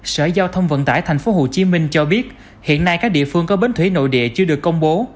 sở giao thông vận tải tp hcm cho biết hiện nay các địa phương có bến thủy nội địa chưa được công bố